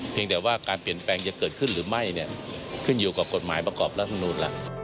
เพียงแต่ว่าการเปลี่ยนแปลงจะเกิดขึ้นหรือไม่ขึ้นอยู่กับกฎหมายประกอบรัฐธรรมนูญ